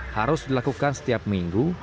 harus dilakukan setiap minggu